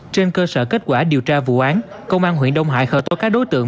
trên cơ sở kết quả điều tra vụ án công an huyện đông hải khởi tố các đối tượng